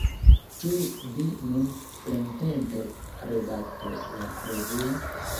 Ĉu vi nun plentempe redaktos la revuon?